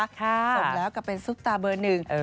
ส่งแล้วกับเป็นซุปตาเบอร์หนึ่ง